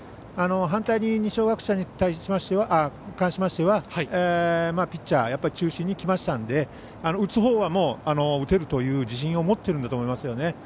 反対に、二松学舎に関しましてはピッチャー中心にきましたので打つほうは、打てるという自信を持っているんだと思いますよね。